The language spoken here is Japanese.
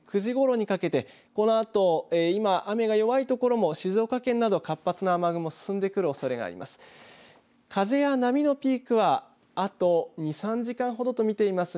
東海では雨に関しては午前９時ごろにかけて、このあと今、雨が弱い所も静岡県など活発な雨雲が進んでくるおそれがあります。